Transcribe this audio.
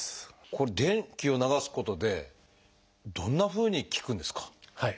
これ電気を流すことでどんなふうに効くんですか？